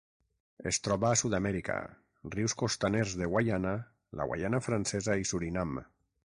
Es troba a Sud-amèrica: rius costaners de Guaiana, la Guaiana Francesa i Surinam.